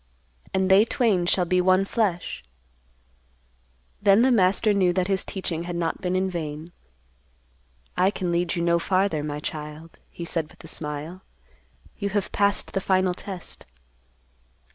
"'And they twain shall be one flesh.'" Then the master knew that his teaching had not been in vain. "I can lead you no farther, my child," he said with a smile. "You have passed the final test."